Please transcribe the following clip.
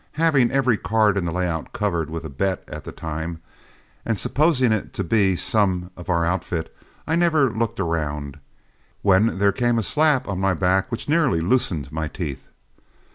Having every card in the layout covered with a bet at the time, and supposing it to be some of our outfit, I never looked around, when there came a slap on my back which nearly loosened my teeth.